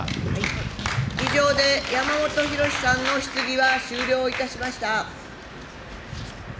以上で山本博司さんの質疑は終了いたしました。